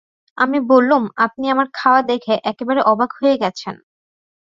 আমি বললুম, আপনি আমার খাওয়া দেখে একেবারে অবাক হয়ে গেছেন।